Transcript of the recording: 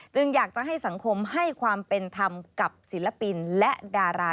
อยากจะให้สังคมให้ความเป็นธรรมกับศิลปินและดารา